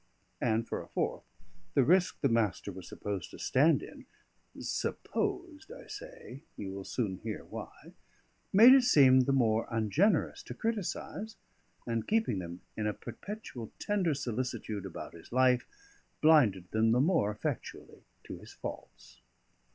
And for a fourth, the risk the Master was supposed to stand in (supposed, I say you will soon hear why) made it seem the more ungenerous to criticise; and, keeping them in a perpetual tender solicitude about his life, blinded them the more effectually to his faults.